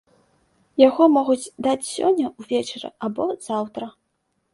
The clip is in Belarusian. Яго могуць даць сёння ўвечары або заўтра.